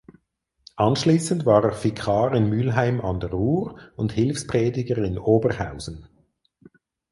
Anschließend war er Vikar in Mülheim an der Ruhr und Hilfsprediger in Oberhausen.